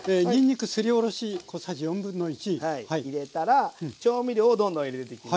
入れたら調味料をどんどん入れていきます。